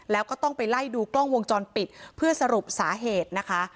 แล้วก็ต้องไปไล่ดูกล้องวงจรปิดเพื่อสรุปสาเหตุนะคะ